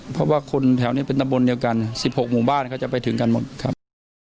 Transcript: เพราะว่าคนแถวนี้เป็นตำบลเดียวกัน๑๖หมู่บ้านเขาจะไปถึงกันหมดครับ